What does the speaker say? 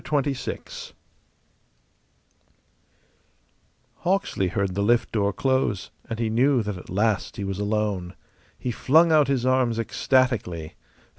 CHAPTER XXVI Hawksley heard the lift door close, and he knew that at last he was alone. He flung out his arms, ecstatically.